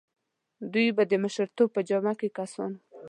دوی به د مشرتوب په جامه کې کسان وو.